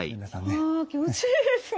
あ気持ちいいですね。